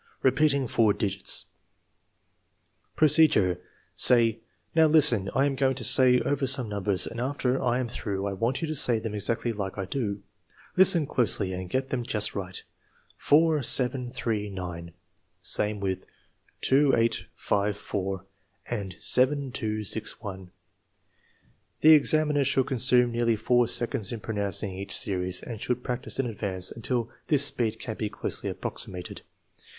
Repeating four digits Procedure. Say: "Now, listen. I am going to say over some numbers and after I am through, I want you to say them exactly like I do. Listen closely and get them just right 4 7 3 9." Same with 2 8 5 4 and 7 2 6 1. The examiner should consume nearly four seconds in pro nouncing each series, and should practice in advance until this speed can be closely approximated.